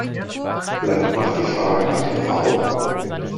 Bleibt noch die Frage nach dem Warum.